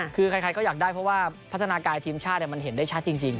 คือใครก็อยากได้เพราะว่าพัฒนากายทีมชาติมันเห็นได้ชัดจริง